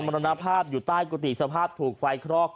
รณภาพอยู่ใต้กุฏิสภาพถูกไฟคลอก